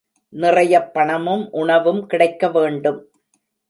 நிறையப் பணமும் உணவும் கிடைக்க வேண்டும்.